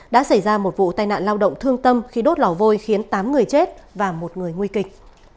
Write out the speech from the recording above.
đã xảy ra một vụ tai nạn lao động thương tâm khi đốt lò vôi khiến tám người chết và một người nguy kịch